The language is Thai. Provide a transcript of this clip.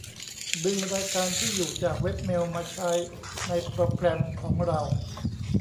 ดึงรายการที่อยู่ จากเว็บเมล มาใช้ในโปรแกรมของเรา